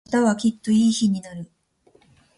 明日はきっといい日になる。